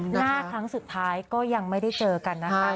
หน้าครั้งสุดท้ายก็ยังไม่ได้เจอกันนะคะ